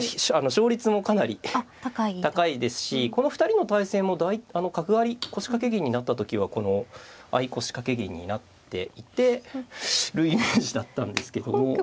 勝率もかなり高いですしこの２人の対戦も角換わり腰掛け銀になった時はこの相腰掛け銀になっているイメージだったんですけども。